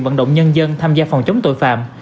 vận động nhân dân tham gia phòng chống tội phạm